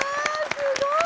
すごい！